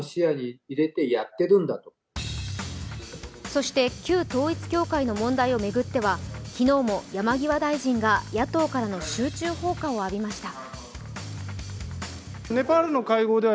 そして旧統一教会の問題を巡っては昨日も山際大臣が野党からの集中砲火を浴びました。